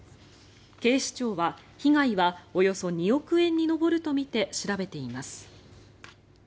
警視庁は被害はおよそ２億円に上るとみて調べています。